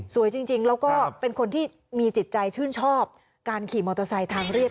จริงแล้วก็เป็นคนที่มีจิตใจชื่นชอบการขี่มอเตอร์ไซค์ทางเรียบ